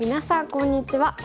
こんにちは。